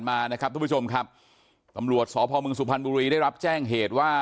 มานะครับทุกผู้ชมครับตำรวจสพมสุพรรณบุรีได้รับแจ้งเหตุว่า